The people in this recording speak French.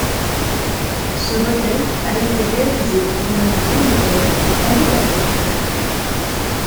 Ce recueil a été réalisé de manière bénévole et indépendante.